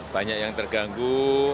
banyak yang terganggu